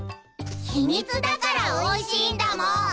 ひみつだからおいしいんだもん！